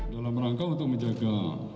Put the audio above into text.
dalam rangka untuk menjaga